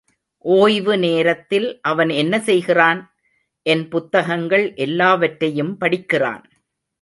ஓய்வு நேரத்தில் அவன் என்ன செய்கிறான்? என் புத்தகங்கள் எல்லாவற்றையும் படிக்கிறான்.